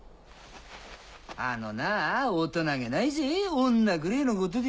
あのな大人げないぜ女ぐれぇのことで。